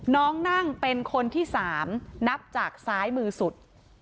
น้องนั่งเป็นคนที่๓นับจากซ้ายมือสุด